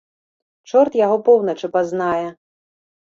Чорт яго поўначы пазнае.